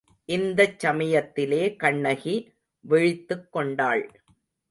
இந்தச் சமயத்திலே கண்ணகி விழித்துக்கொண்டாள்.